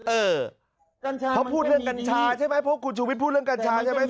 เออเขาพูดเรื่องกัญชาใช่ไหมเพราะคุณชูวิทย์พูดเรื่องกัญชาใช่ไหม